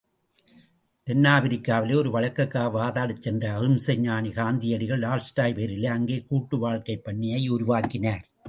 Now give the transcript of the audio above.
தென்னாப்பிரிக்காவிலே ஒரு வழக்குக்காக வாதாடச்சென்ற அகிம்சை ஞானி காந்தியடிகள், டால்ஸ்டாய் பெயரிலே அங்கே கூட்டு வாழ்க்கை பண்ணையை உருவாக்கினார்.